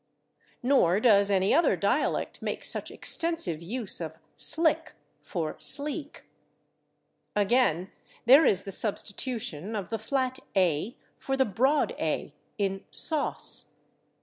Nor does any other dialect make such extensive use of /slick/ for /sleek/. Again, there is the substitution of the flat /a/ for the broad /a/ in /sauce